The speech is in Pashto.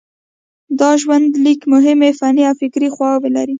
دا ژوندلیک مهمې فني او فکري خواوې لري.